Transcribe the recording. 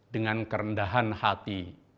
dengan kerendahan hati